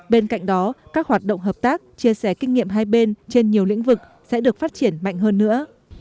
bên cạnh đó các hoạt động hợp tác chia sẻ kinh nghiệm hai bên trên nhiều lĩnh vực sẽ được phát triển mạnh hơn nữa